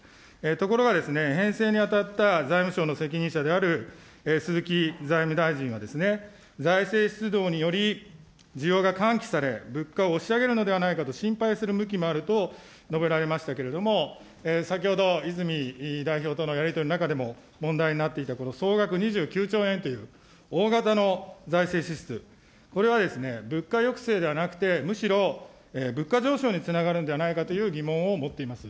ところが、編成に当たった財務省の責任者である鈴木財務大臣は、財政出動により、需要が喚起され、物価を押し上げるのではないかと心配する向きもあると述べられましたけれども、先ほど泉代表とのやり取りの中でも問題になっていた、この総額２９兆円という大型の財政支出、これは物価抑制ではなくて、むしろ物価上昇につながるんではないかという疑問を持っています。